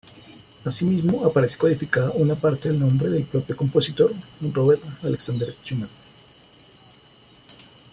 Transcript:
Asimismo, aparece codificada una parte del nombre del propio compositor, Robert Alexander Schumann.